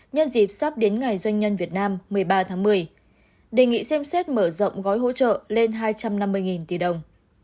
nhân dịp sắp đến ngày doanh nhân việt nam một mươi ba tháng một mươi đề nghị xem xét mở rộng gói hỗ trợ lên hai trăm năm mươi tỷ đồng